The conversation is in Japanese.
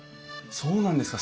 そうなんですか。